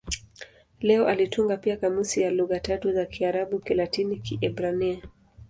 Leo alitunga pia kamusi ya lugha tatu za Kiarabu-Kilatini-Kiebrania.